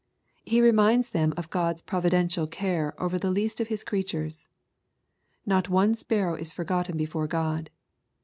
He remind.s them of God's providential care over the least of His creatures :—" Not one sparrow is forgotten before God."